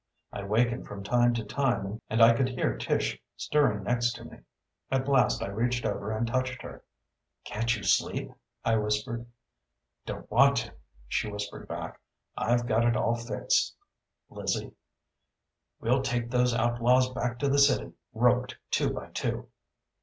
I wakened from time to time and I could hear Tish stirring next to me. At last I reached over and touched her. "Can't you sleep?" I whispered. "Don't want to," she whispered back. "I've got it all fixed, Lizzie. We'll take those outlaws back to the city, roped two by two."